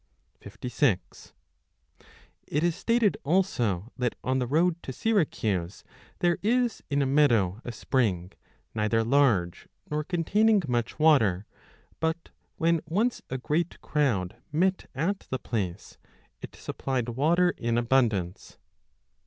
5 It is stated also that on the road to Syracuse there 56 is in a meadow a spring, neither large nor containing much water ; but, when once a great crowd met at the place, it supplied water in abundance.